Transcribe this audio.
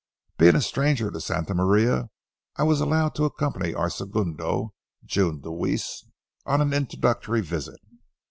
Being a stranger to Santa Maria, I was allowed to accompany our segundo, June Deweese, on an introductory visit.